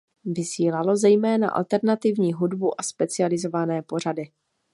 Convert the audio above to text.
Vysílalo zejména alternativní hudbu a specializované pořady.